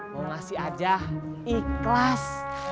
mau ngasih aja ikhlas